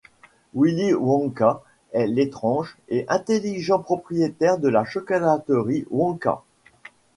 Willy Wonka est l'étrange et intelligent propriétaire de la chocolaterie Wonka.